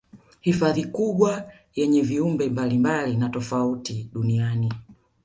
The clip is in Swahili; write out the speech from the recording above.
Hifadhi kubwa yenye viumbe mbalimbali na tofauti duniani